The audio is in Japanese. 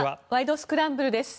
スクランブル」です。